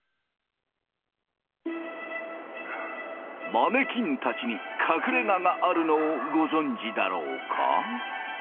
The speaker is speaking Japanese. マネキンたちに隠れががあるのをご存じだろうか？